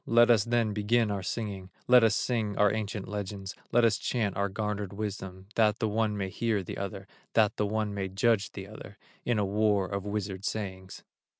Let us then begin our singing, Let us sing our ancient legends, Let us chant our garnered wisdom, That the one may hear the other, That the one may judge the other, In a war of wizard sayings."